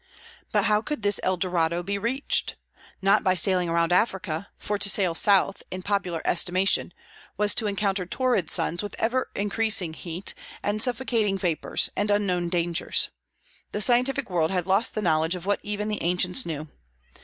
But how could this El Dorado be reached? Not by sailing round Africa; for to sail South, in popular estimation, was to encounter torrid suns with ever increasing heat, and suffocating vapors, and unknown dangers. The scientific world had lost the knowledge of what even the ancients knew.